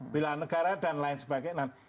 bela negara dan lain sebagainya